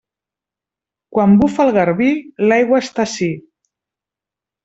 Quan bufa el garbí, l'aigua està ací.